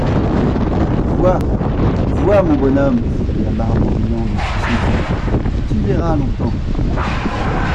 Vois, vois, mon bonhomme, s'écria Barbe en riant de tout son coeur, tu verras longtemps.